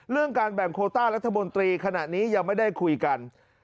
การแบ่งโคต้ารัฐมนตรีขณะนี้ยังไม่ได้คุยกัน